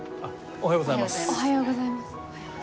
おはようございます。